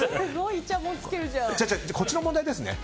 いや、こっちの問題ですね。